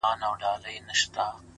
دا څه خبره ده، بس ځان خطا ايستل دي نو،